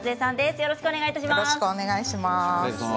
よろしくお願いします。